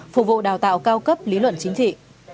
phục vụ đào tạo cao cấp lý luận chính trị